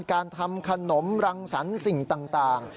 การทำขนมรังสรรค์สิ่งต่าง